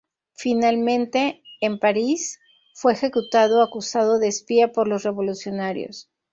Finalmente, en París, fue ejecutado acusado de espía por los revolucionarios.